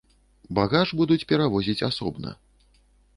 Багаж будуць перавозіць асобна.